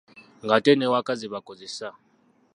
Ng'ate n’ewaka zebakozesa?